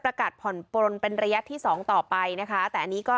กัดผ่อนปลนเป็นระยะที่สองต่อไปนะคะแต่อันนี้ก็